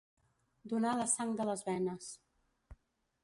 Donar la sang de les venes.